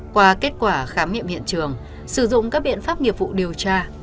qua kết quả khám nghiệm hiện trường sử dụng các biện pháp nghiệp vụ điều tra